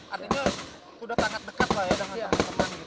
artinya sudah sangat dekat lah ya dengan teman teman